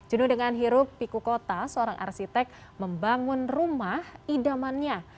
jenuh dengan hirup piku kota seorang arsitek membangun rumah idamannya